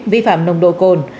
vi phạm nồng độ cồn